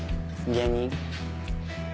芸人？